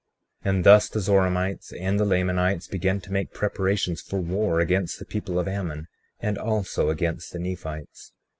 35:11 And thus the Zoramites and the Lamanites began to make preparations for war against the people of Ammon, and also against the Nephites.